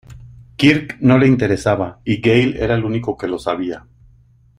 Kirk no les interesaba, y Gail era el único que lo sabía.